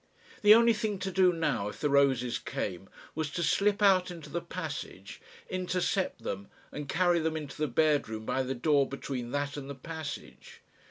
The only thing to do now if the roses came was to slip out into the passage, intercept them, and carry them into the bedroom by the door between that and the passage.